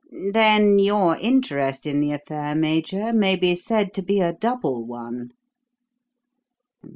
"Then your interest in the affair, Major, may be said to be a double one."